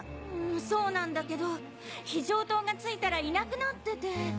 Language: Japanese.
うんそうなんだけど非常灯がついたらいなくなってて。